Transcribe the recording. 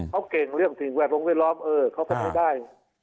เขาเก่งเรื่องสิ่งแวดล้อมแวดล้อมเออเขาก็ไม่ได้